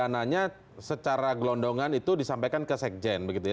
dan dana dana secara gelondongan itu disampaikan ke sekjen begitu ya